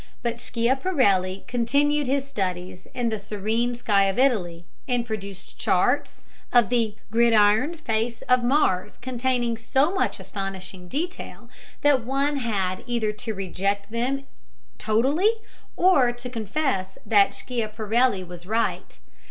But Schiaparelli continued his studies in the serene sky of Italy, and produced charts of the gridironed face of Mars containing so much astonishing detail that one had either to reject them in toto or to confess that Schiaparelli was right.